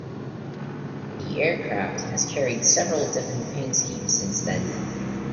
The aircraft has carried several different paint schemes since then.